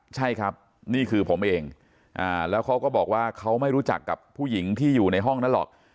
ใช่ครับนี่คือผมเองแล้วเขาก็บอกว่าเขาไม่รู้จักกับผู้หญิงที่อยู่ในห้องนั้นหรอก